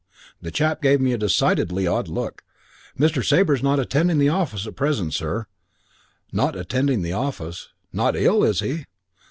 "The chap gave me a decidedly odd look. 'Mr. Sabre's not attending the office at present, sir.' "'Not attending the office? Not ill, is he?'